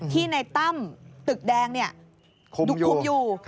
ที่ในตั้มตึกแดงดุคลุบอยู่